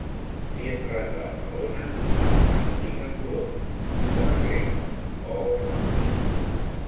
Si et retrata l'ona amb ta antiga corona, no la cregues; oh, no!